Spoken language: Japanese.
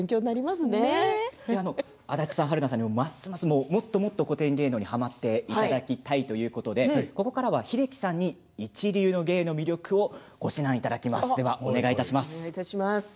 足立さん、春菜さんにもますます古典芸能にはまっていただきたいということでここからは英樹さんに一流の芸の魅力をご指南いただきます。